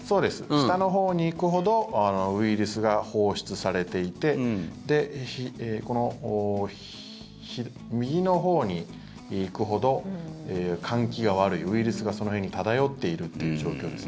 下のほうに行くほどウイルスが放出されていてこの右のほうに行くほど換気が悪いウイルスがその辺に漂っているという状況です。